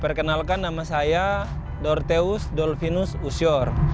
perkenalkan nama saya dortheus dolvinus usior